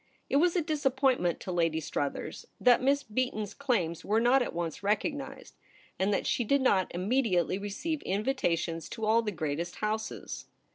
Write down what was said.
It was a disappointment to Lady Struthers that Miss Beaton's claims were not at once recognised, and that she did not immediately receive invitations to all the greatest houses.